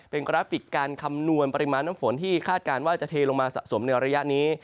เป็นกราฟิกการคำนวณปริมาณน้ำฝนที่คาดการณ์ว่าจะเทลงมาสะสมในระยะนี้